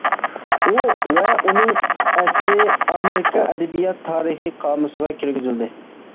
ئۇ ۋە ئۇنىڭ ئەسىرى ئامېرىكا ئەدەبىيات تارىخى قامۇسىغا كىرگۈزۈلدى.